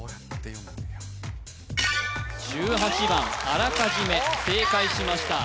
あらかじめ正解しました